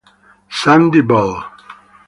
Sandy Bull